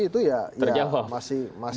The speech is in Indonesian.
maka pertanyaan pertanyaan yang saya sampaikan tadi